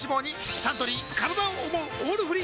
サントリー「からだを想うオールフリー」